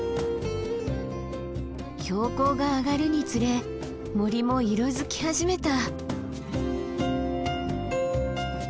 標高が上がるにつれ森も色づき始めた。